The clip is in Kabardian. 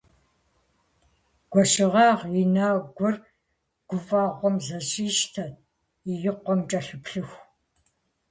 Гуащэгъагъ и нэгур гуфӀэгъуэм зэщӀищтэт и къуэм кӀэлъыплъыху.